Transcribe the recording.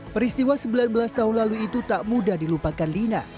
peristiwa sembilan belas tahun lalu itu tak mudah dilupakan lina